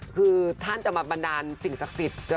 คือท่านจะมาบันดาลสิ่งศักดิ์สิทธิ์